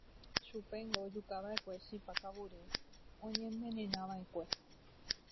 Chupéngo ojukava'ekue chipa kavure oñe'envenenava'ekue.